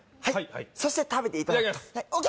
そして食べていただくといただきます